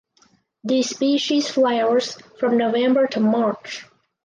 This species flowers from November to March.